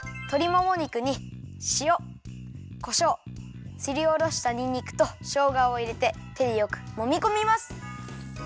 もも肉にしおこしょうすりおろしたにんにくとしょうがをいれててでよくもみこみます。